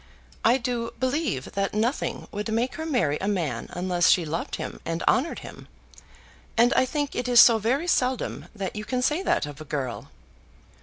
I do believe that nothing would make her marry a man unless she loved him and honoured him, and I think it is so very seldom that you can say that of a girl."